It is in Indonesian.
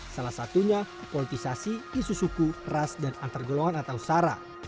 salah satunya politisasi isu suku ras dan antar golongan atau sara